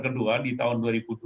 kedua di tahun dua ribu dua puluh dua